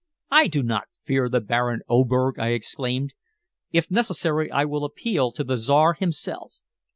"I do not fear the Baron Oberg," I exclaimed. "If necessary, I will appeal to the Czar himself.